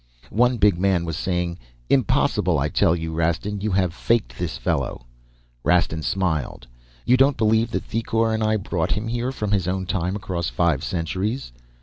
"One big man was saying, 'Impossible! I tell you, Rastin, you have faked this fellow!' "Rastin smiled. 'You don't believe that Thicourt and I brought him here from his own time across five centuries?'